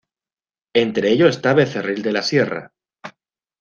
Entre ellos está Becerril de la Sierra.